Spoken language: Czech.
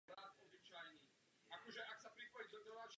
Nachází se na řece Paraná.